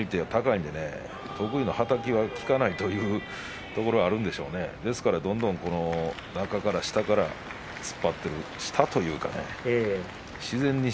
身長も相手が高いので得意のはたきが効かないというところがあるんでしょうねですから、どんどん下から突っ張っている下というかね